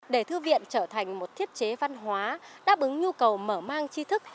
để thư viện trở thành một thiết chế văn hóa đáp ứng nhu cầu mở mang chi thức